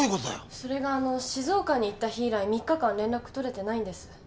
それがあの静岡に行った日以来３日間連絡取れてないんです